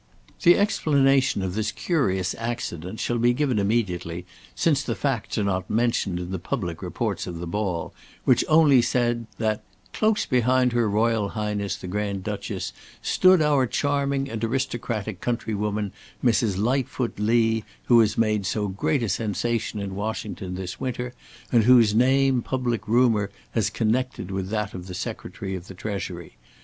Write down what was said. The explanation of this curious accident shall be given immediately, since the facts are not mentioned in the public reports of the ball, which only said that, "close behind her Royal Highness the Grand Duchess, stood our charming and aristocratic countrywoman, Mrs. Lightfoot Lee, who has made so great a sensation in Washington this winter, and whose name public rumour has connected with that of the Secretary of the Treasury.